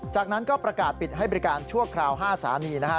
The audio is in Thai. จากนั้นก็ประกาศปิดให้บริการชั่วคราว๕สถานีนะฮะ